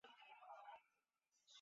其父赠为朝列大夫加中奉大夫衔。